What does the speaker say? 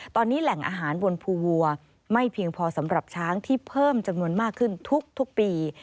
ตอนนี้แหล่งอาหารบนภูวัวไม่เพียงพอสำหรับช้างที่เพิ่มจำนวนมากขึ้นทุกปี